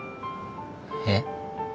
えっ？